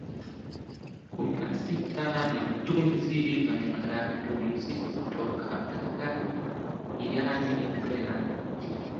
kumi na sita na mtunzi na muaandaaji wa muziki kutoka Marekani Ian Brenann